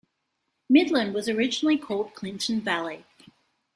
Midland was originally called Clinton Valley.